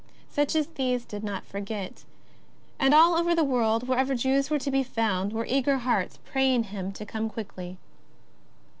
Such as these did not forget. And all over the world, wherever Jews were to be found, were eager hearts praying Him to come quickly.